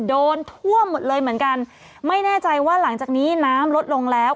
โดนท่วมหมดเลยเหมือนกันไม่แน่ใจว่าหลังจากนี้น้ำลดลงแล้ว